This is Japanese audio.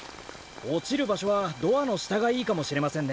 おちるばしょはドアのしたがいいかもしれませんね。